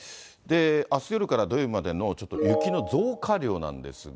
あす夜から土曜日までの、ちょっと雪の増加量なんですが。